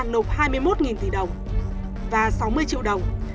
nộp hai mươi một tỷ đồng và sáu mươi triệu đồng